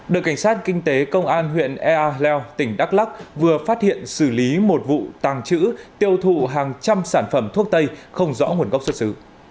đội cảnh sát kinh tế công an huyện ea leo tỉnh đắk lắc vừa phát hiện xử lý một vụ tàng trữ tiêu thụ hàng trăm sản phẩm thuốc tây không rõ nguồn gốc xuất xứ